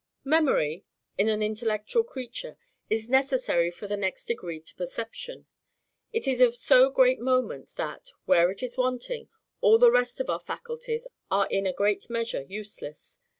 Memory, in an intellectual creature, is necessary in the next degree to perception. It is of so great moment, that, where it is wanting, all the rest of our faculties are in a great measure useless.